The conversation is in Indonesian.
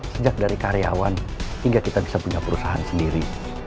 sejak dari karyawan hingga kita bisa punya perusahaan sendiri